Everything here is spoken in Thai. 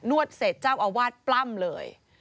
วดเสร็จเจ้าอาวาสปล้ำเลย